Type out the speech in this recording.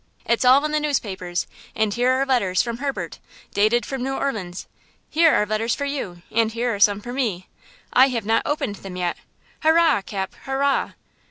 It's all in the newspapers, and here are letters from Herbert, dated from New Orleans! Here are letters for you, and here are some for me! I have not opened them yet! Hurrah, Cap! Hurrah!"